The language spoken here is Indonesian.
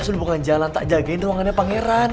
jalan jalan tak jagain ruangannya pangeran